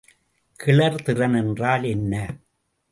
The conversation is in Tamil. கிளர்திறன் என்றால் என்ன?